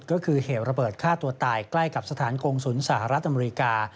ก็คือเหตุระเบิดฆ่าตัวตายใกล้กับสถานกงศูนย์สหรัฐอเมริกา